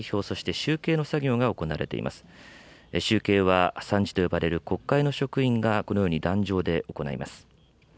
集計は参事と呼ばれる国会の職員が、このように壇上で行います。